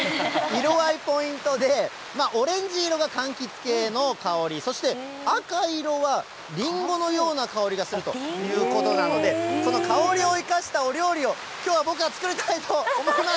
色合い、ポイントで、オレンジ色がかんきつ系の香り、そして赤色はリンゴのような香りがするということなので、その香りを生かしたお料理を、きょうは僕が作りたいと思います。